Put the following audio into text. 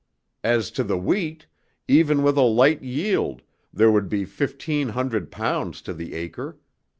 As to the wheat, even with a light yield, there would be fifteen hundred pounds to the acre.